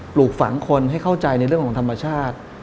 ปลูกฝังคนให้เข้าใจในเรื่องของธรรมชาติ